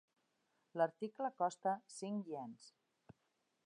L'article costa cinc iens.